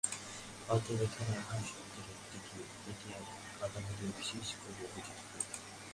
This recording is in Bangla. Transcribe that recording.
অতএব এখানে আহার-শব্দের অর্থ কি, এইটি আমাদিগকে বিশেষ করিয়া বুঝিতে হইবে।